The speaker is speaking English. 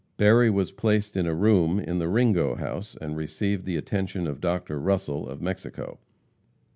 Berry was placed in a room in the Ringo House, and received the attention of Dr. Russell, of Mexico.